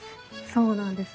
そうなんです。